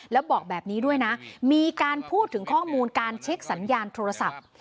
แล้วบอกแบบนี้ด้วยนะมีการพูดถึงข้อมูลการเช็คสัญญาณโทรศัพท์